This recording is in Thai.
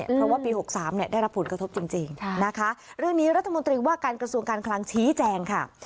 เพราะว่าปี๖๓ได้รับผลกระทบจริงนะคะเรื่องนี้รัฐมนตรีว่าการกระทรวงการคลังชี้แจงค่ะ